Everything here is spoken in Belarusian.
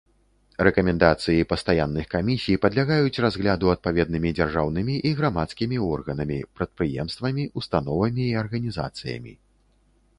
Рэкамендацыі пастаянных камісій падлягаюць разгляду адпаведнымі дзяржаўнымі і грамадскімі органамі, прадпрыемствамі, установамі і арганізацыямі.